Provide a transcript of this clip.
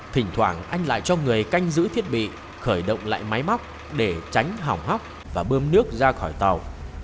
thỉnh thoảng anh lại cho người canh giữ thiết bị khởi động lại máy móc để tránh hỏng hóc và bơm nước ra khỏi tàu